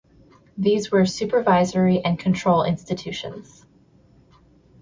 These were supervisory and control institutions.